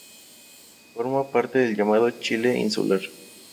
Forma parte del llamado Chile insular.